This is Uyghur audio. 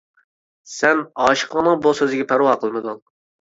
سەن ئاشىقىڭنىڭ بۇ سۆزىگە پەرۋا قىلمىدىڭ.